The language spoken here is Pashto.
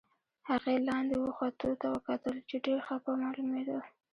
هغې لاندې و ختو ته وکتل، چې ډېر خپه معلومېدل.